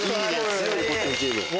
強いねこっちのチーム。